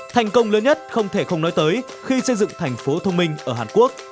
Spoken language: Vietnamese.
thành công lớn nhất không thể không nói tới khi xây dựng thành phố thông minh ở hàn quốc